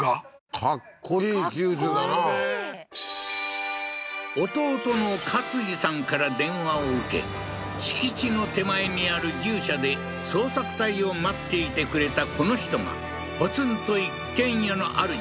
かっこいい９０だな弟の勝二さんから電話を受け敷地の手前にある牛舎で捜索隊を待っていてくれたこの人がポツンと一軒家のあるじ